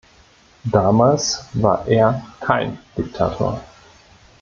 Damals war er kein Diktator.